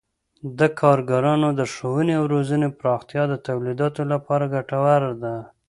د کارګرانو د ښوونې او روزنې پراختیا د تولیداتو لپاره ګټوره ده.